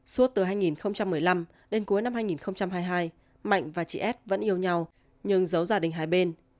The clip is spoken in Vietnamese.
suốt từ hai nghìn một mươi năm đến cuối năm hai nghìn hai mươi hai mạnh và chị s vẫn yêu nhau nhưng giấu gia đình hai bên